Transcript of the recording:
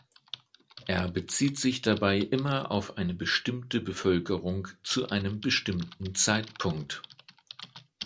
Er bezieht sich dabei immer auf eine bestimmte Bevölkerung zu einem bestimmten Zeitpunkt.